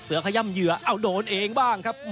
เสือขยัมเหยื่อเอาโดนเองบ้างนะครับ